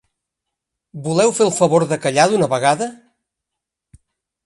Voleu fer el favor de callar d'una vegada?